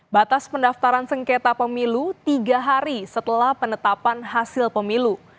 batas pendaftaran sengketa pemilu tiga hari setelah penetapan hasil pemilu